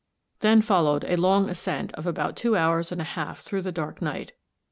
Then followed a long ascent of about two hours and a half through the dark night.